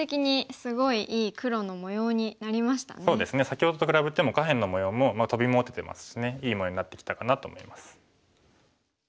先ほどと比べても下辺の模様もトビも打ててますしねいい模様になってきたかなと思います。